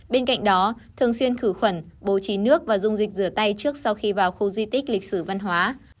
bên cạnh đó thường xuyên khử khuẩn bố trí nước và dung dịch rửa tay trước sau khi vào khu di tích lịch sử văn hóa